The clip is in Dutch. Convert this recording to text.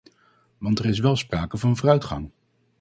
Want er is wel sprake van vooruitgang.